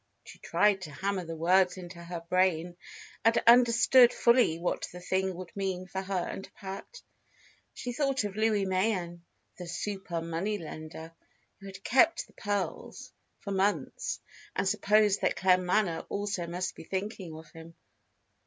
She tried to hammer the words into her brain, and understand fully what the thing would mean for her and Pat. She thought of Louis Mayen, the "super money lender," who had kept the pearls for months, and supposed that Claremanagh also must be thinking of him.